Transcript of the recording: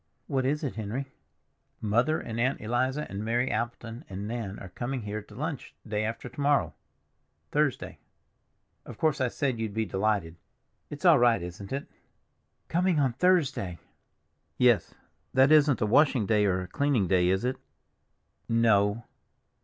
"What is it, Henry?" "Mother and Aunt Eliza and Mary Appleton and Nan are coming here to lunch day after to morrow—Thursday. Of course I said you'd be delighted. It's all right, isn't it?" "Coming on Thursday!" "Yes. That isn't a washing day or a cleaning day, is it?" "No."